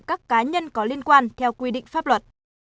các cá nhân có liên quan theo quy định pháp luật